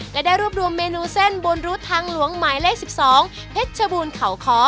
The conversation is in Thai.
และได้รวบรวมเมนูเส้นบนรูดทางหลวงหมายเลข๑๒เพชรชบูรณเขาค้อ